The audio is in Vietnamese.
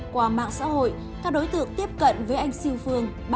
qua mạng xã hội các đối tượng tiếp cận với anh siêu phương